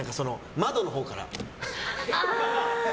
窓のほうから。